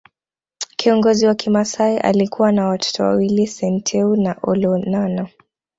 Kiongozi wa kimasai alikuwa na watoto wawili Senteu na Olonana